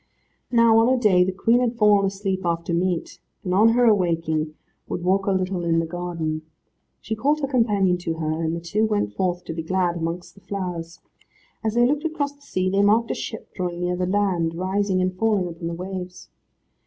Now, on a day, the Queen had fallen asleep after meat, and on her awaking would walk a little in the garden. She called her companion to her, and the two went forth to be glad amongst the flowers. As they looked across the sea they marked a ship drawing near the land, rising and falling upon the waves.